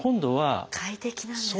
快適なんですか。